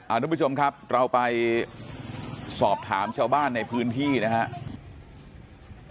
ทุกผู้ชมครับเราไปสอบถามชาวบ้านในพื้นที่นะครับ